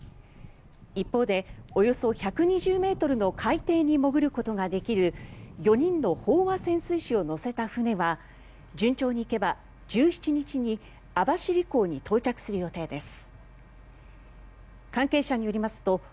一方で、およそ１２０ｍの海底に潜ることができる４人の飽和潜水士を乗せた船は順調にいけば１７日に網走港に到着する予定です。